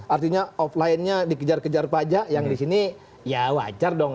artinya offline nya dikejar kejar pajak yang di sini ya wajar dong